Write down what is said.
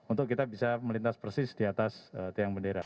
untuk kita bisa melintas persis di atas tiang bendera